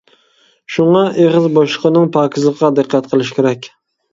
شۇڭا ئېغىز بوشلۇقىنىڭ پاكىزلىقىغا دىققەت قىلىش كېرەك.